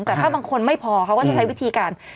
แต่ถ้าบางคนไม่พอเขาก็จะใช้วิธีการ